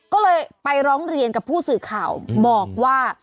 ก็เลยไปร้องเรียนกับผู้สื่อข่าวบอกว่า